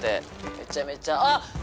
めちゃめちゃあっ